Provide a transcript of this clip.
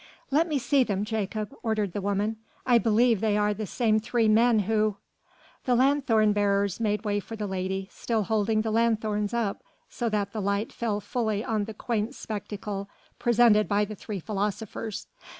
"Let me see them, Jakob," ordered the woman. "I believe they are the same three men who...." The lanthorn bearers made way for the lady, still holding the lanthorns up so that the light fell fully on the quaint spectacle presented by the three philosophers.